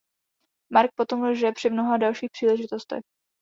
Mark potom lže při mnoha dalších příležitostech.